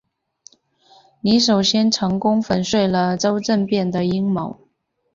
你首先成功粉碎了周政变的阴谋。